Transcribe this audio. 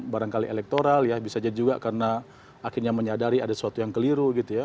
barangkali elektoral ya bisa jadi juga karena akhirnya menyadari ada sesuatu yang keliru gitu ya